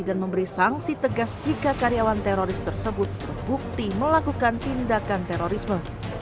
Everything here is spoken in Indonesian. dan memberi sanksi tegas jika karyawan teroris tersebut berbukti melakukan tindakan terorisme